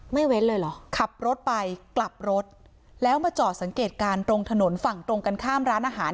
เว้นเลยเหรอขับรถไปกลับรถแล้วมาจอดสังเกตการณ์ตรงถนนฝั่งตรงกันข้ามร้านอาหาร